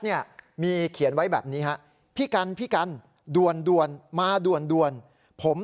เนี่ยมีเขียนไว้แบบนี้ฮะพี่กันพี่กันด่วนมาด่วนผม